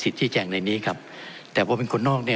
ท่านประธานที่ขอรับครับ